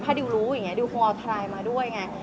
ถ้าดิวรู้ดิวคงเอาไทรมาด้วยไง